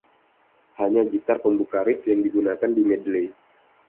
Hanya gitar pembuka riff yang digunakan di medley.